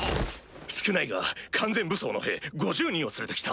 少ないが完全武装の兵５０人を連れて来た！